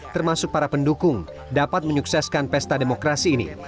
termasuk para pendukung dapat menyukseskan pesta demokrasi ini